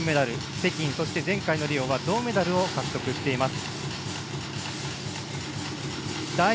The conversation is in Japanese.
北京、そして前回のリオは銅メダルを獲得しています。